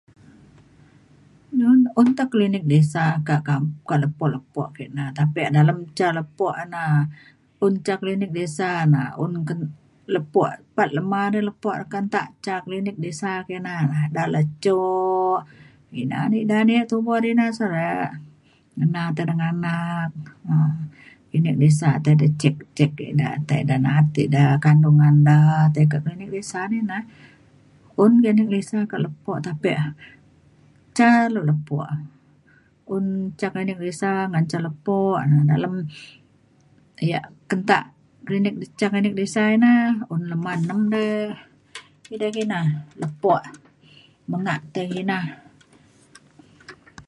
nun un te klinik desa ka kamp- ka lepo lepo ke' na. tapi dalem ca lepo na un ca klinik desa na un kent- un lepo pat lema de lepo re kentak ca klinik desa kina. dala cuk ina ne ida tubo [unintelligible] ngena tai eda nganak um klinik desa tai eda cek cek eda tai eda na'at eda kandungan na tai ke klinik desa nina. un klinik desa ka lepo tapi e ca le lepo e un ca klinik desa ngan ca lepo na dalem ya' kentak klinik ca klinik desa ina un lema nem re edai kina lepo. mengak tai kina.